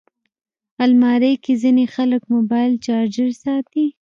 الماري کې ځینې خلک موبایل چارجر ساتي